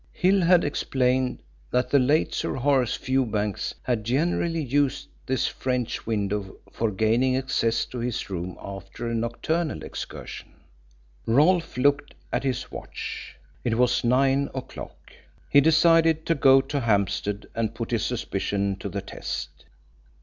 Hill had explained that the late Sir Horace Fewbanks had generally used this French window for gaining access to his room after a nocturnal excursion. Rolfe looked at his watch. It was nine o'clock. He decided to go to Hampstead and put his suspicions to the test.